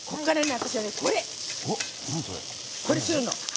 私は、これするの。